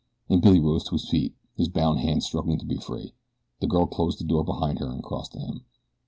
and Billy rose to his feet, his bound hands struggling to be free. The girl closed the door behind her and crossed to him.